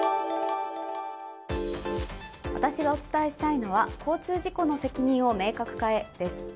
私がお伝えしたいのは交通事故の責任を明確化へ、です。